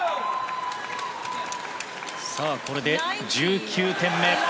これで１９点目。